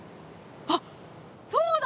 あっそうだ！